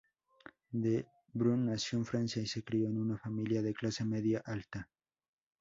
Le Brun nació en Francia y se crió en una familia de clase media-alta.